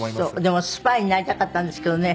でもスパイになりたかったんですけどね